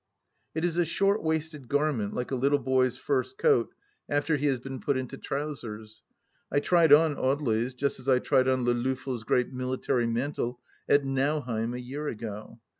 It is a short waisted garment like a little boy's first coat after he has been put into trousers. I tried on Audely's, just as I tried on Le Loffel's great military mantle at Nau heim a year ago.